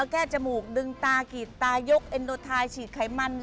แก้จมูกดึงตากรีดตายกเอ็นโดไทฉีดไขมัน